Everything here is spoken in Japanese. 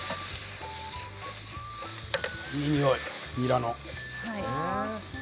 いいにおい、ニラの。